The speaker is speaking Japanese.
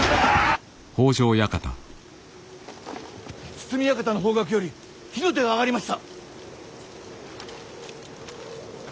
堤館の方角より火の手が上がりました。